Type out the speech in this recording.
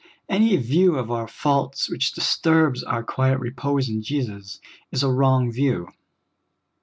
Any view of our faults which disturbs our quiet repose in Jesus is a wrong view.